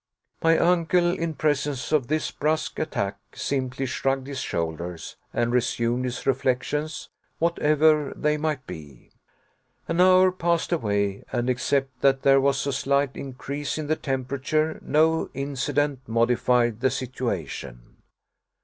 My uncle, in presence of this brusque attack, simply shrugged his shoulders, and resumed his reflections whatever they might be. An hour passed away, and except that there was a slight increase in the temperature no incident modified the situation.